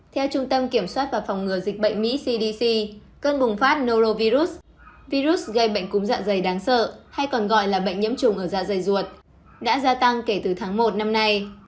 theo trung tâm kiểm soát và phòng ngừa dịch bệnh mỹ cdc cơn bùng phát norovirus virus gây bệnh cúm dạ dày đáng sợ hay còn gọi là bệnh nhiễm trùng ở da dày ruột đã gia tăng kể từ tháng một năm nay